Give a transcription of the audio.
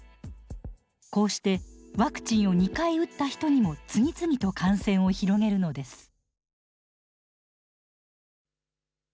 こうしてワクチンを２回打った人にも次々と感染を広げるのです。